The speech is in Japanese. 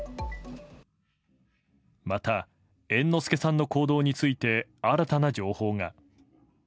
また、猿之助さんの行動について新たな情報が。